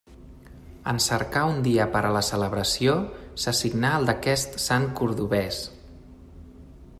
En cercar un dia per a la celebració, s'assignà el d'aquest sant cordovès.